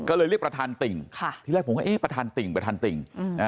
ก็เลยเรียกประธานติ่งที่แรกผมก็เอ๊ะประธานติ่งประธานติ่ง